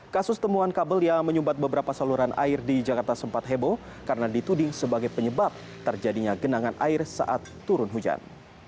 kasus temuan kabel yang menyumbat beberapa saluran air di jakarta sempat heboh karena dituding sebagai penyebab terjadinya genangan air saat turun hujan